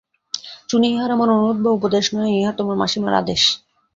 চুনি, ইহা আমার অনুরোধ বা উপদেশ নহে, ইহা তোর মাসিমার আদেশ।